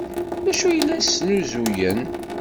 D acu ay la snuzuyen?